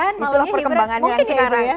makanya restoran malah perkembangan yang sekarang